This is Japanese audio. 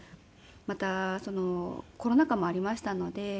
またコロナ禍もありましたので。